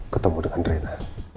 ketemu dengan reyna